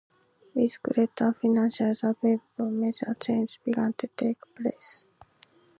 With greater finances available, major changes began to take place.